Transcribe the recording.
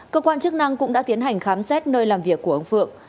cơ quan chức năng cũng đã tiến hành khám xét nơi làm việc của ông phượng